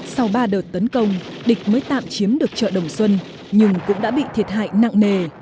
sau ba đợt tấn công địch mới tạm chiếm được chợ đồng xuân nhưng cũng đã bị thiệt hại nặng nề